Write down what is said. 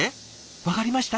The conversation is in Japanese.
分かりました？